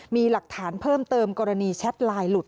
มีหลักฐานเพิ่มเติมกรณีแชทไลน์หลุด